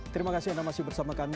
terima kasih anda masih bersama kami